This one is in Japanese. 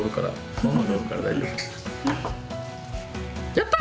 やった！